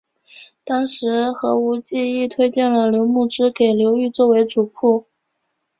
当时何无忌亦推荐了刘穆之给刘裕作为主簿。